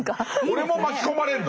俺も巻き込まれるの？